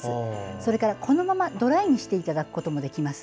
それからこのままドライにしていただくこともできます。